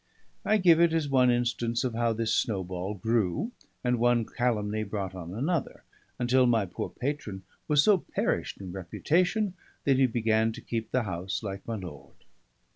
I give it as one instance of how this snowball grew, and one calumny brought another; until my poor patron was so perished in reputation that he began to keep the house like my lord.